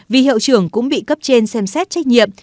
vì hiệu trưởng cũng bị cấp trên xem xét trách nhiệm